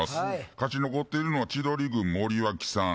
勝ち残っているのは千鳥軍森脇さん